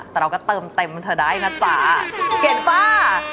แต่เราก็เติมเต็มเธอได้นะจ๊ะเก่งป่ะ